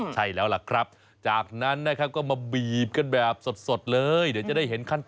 ไฟเหนียวนุ่ม